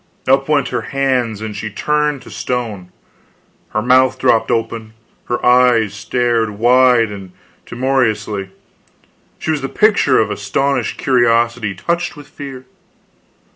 Up went her hands, and she was turned to stone; her mouth dropped open, her eyes stared wide and timorously, she was the picture of astonished curiosity touched with fear.